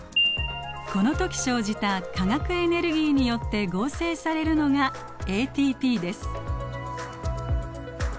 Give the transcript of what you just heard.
この時生じた化学エネルギーによって合成されるのがＡＴＰです。